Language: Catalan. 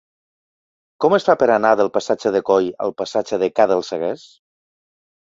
Com es fa per anar del passatge de Coll al passatge de Ca dels Seguers?